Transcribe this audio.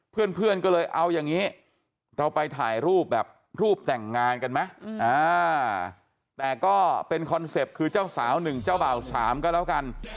เพื่อนก็เลยเอาอย่างนี้เราไปถ่ายรูปแบบรูปแต่งงานกันไหมแต่ก็เป็นคอนเซ็ปต์คือเจ้าสาว๑เจ้าบ่าว๓ก็แล้วกัน